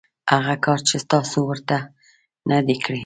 هغه کار چې تاسو ورته نه دی کړی .